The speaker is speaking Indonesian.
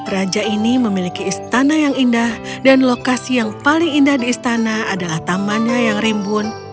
raja ini memiliki istana yang indah dan lokasi yang paling indah di istana adalah tamannya yang rimbun